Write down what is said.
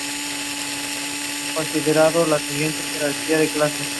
Ambos intentan averiguar cual ha sido su pasado.